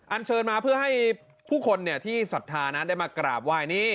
เชิญมาเพื่อให้ผู้คนที่ศรัทธานั้นได้มากราบไหว้นี่